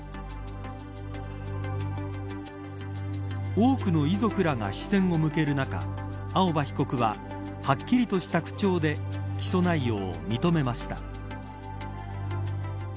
多くの遺族らが視線を向ける中青葉被告ははっきりとした口調で起訴内容を認めました。